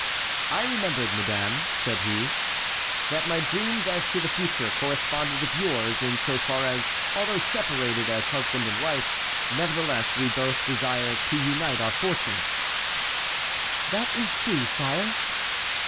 "I remembered, madame," said he, "that my dreams as to the future corresponded with yours in so far as although separated as husband and wife, nevertheless we both desire to unite our fortune." "That is true, sire."